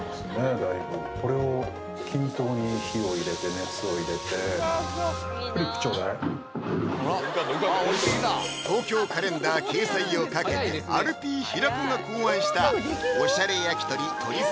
だいぶこれを均等に火を入れて熱を入れて「東京カレンダー」掲載を懸けて「アルピー」・平子が考案したオシャレ焼き鳥とり澤